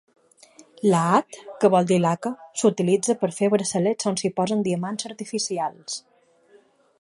"Laad", que vol dir "laca", s'utilitza per fer braçalets on s'hi posen diamants artificials.